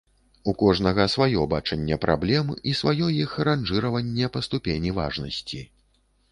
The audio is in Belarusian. У кожнага сваё бачанне праблем і сваё іх ранжыраванне па ступені важнасці.